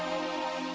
kita ke rumah